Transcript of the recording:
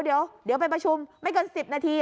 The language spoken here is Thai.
เดี๋ยวไปประชุมไม่เกิน๑๐นาที